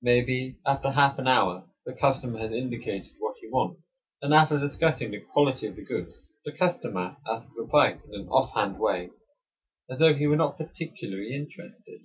Maybe, after half an hour, the customer has indicated what he wants, and after discussing the quality of the goods, the customer asks the price in an off hand way, as though he were not particularly interested.